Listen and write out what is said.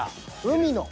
「海の」。